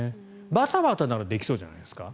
バタバタならできそうじゃないですか？